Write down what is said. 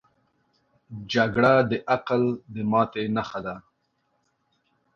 جګړه د عقل د ماتې نښه ده